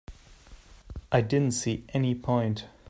I didn't see any point.